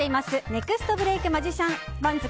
ネクストブレイクマジシャン番付。